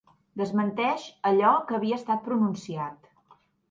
Desmenteix allò que havia estat pronunciat.